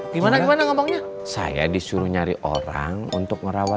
gimana gimana ngomangnya saya disuruh nyari orang untuk ngerawat